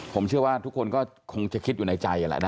ผมเชื่อว่าทุกคนก็คงจะคิดอยู่ในใจแหละนะ